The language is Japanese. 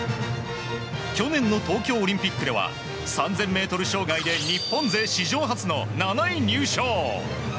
去年の東京オリンピックでは３０００ｍ障害で日本勢史上初の７位入賞。